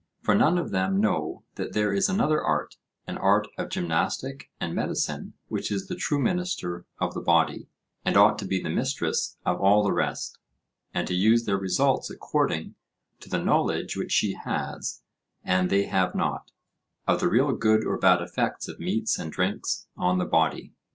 For none of them know that there is another art—an art of gymnastic and medicine which is the true minister of the body, and ought to be the mistress of all the rest, and to use their results according to the knowledge which she has and they have not, of the real good or bad effects of meats and drinks on the body.